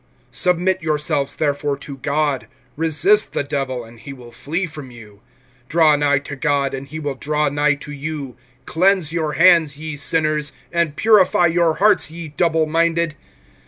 (7)Submit yourselves therefore to God. Resist the Devil, and he will flee from you. (8)Draw nigh to God, and he will draw nigh to you. Cleanse your hands, ye sinners; and purify your hearts, ye double minded.